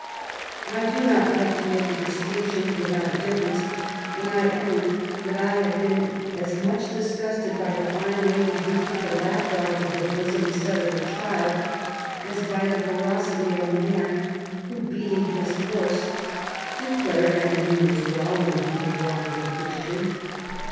I do not like to make a distinction without a difference, and I own that I have been as much disgusted by the fine lady who took her lap dog to her bosom, instead of her child, as by the ferocity of a man, who, beating his horse, declared that he knew as well when he^ did wrong as a Ohristian.